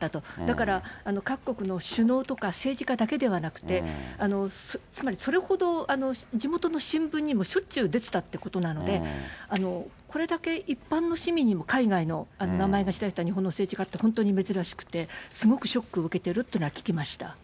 だから、各国の首脳とか政治家だけではなくて、つまりそれほど地元の新聞にもしょっちゅう出てたってことなので、これだけ一般の市民にも、海外の名前が知られた日本の政治家っていうのは本当に珍しくて、すごくショックを受けてるっていうのは聞きました。